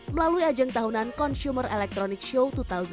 melalui ajang tahunan consumer electronic show dua ribu delapan belas